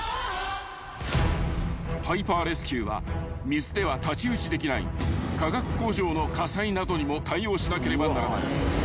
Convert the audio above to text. ［ハイパーレスキューは水では太刀打ちできない化学工場の火災などにも対応しなければならない］